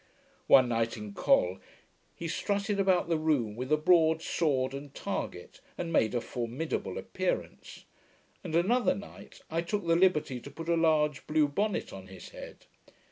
One night, in Col, he strutted about the room with a broad sword and target, and made a formidable appearance; and, another night, I took the liberty to put a large blue bonnet on his head.